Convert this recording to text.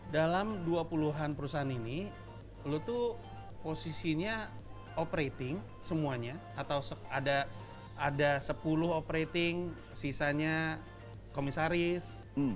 dalam dua puluh an perusahaan ini lo tuh posisinya operating semuanya atau ada sepuluh operating sisanya komisaris